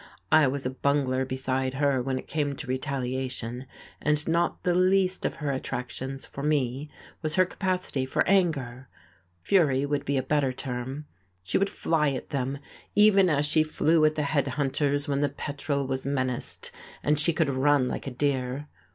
I was a bungler beside her when it came to retaliation, and not the least of her attractions for me was her capacity for anger: fury would be a better term. She would fly at them even as she flew at the head hunters when the Petrel was menaced; and she could run like a deer.